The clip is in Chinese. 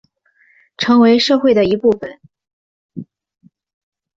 成为社会的一部分